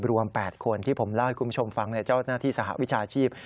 รวม๘คนที่ผมเล่าให้คุณผู้ชมฟังเจ้าหน้าที่สหวิชาชีพ